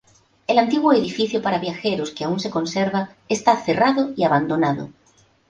El antiguo edificio para viajeros que aún se conserva está cerrado y abandonado.